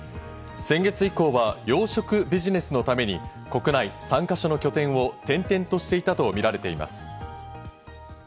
先月以降は養殖ビジネスのために国内３か所の拠点を転々としていたとみられています。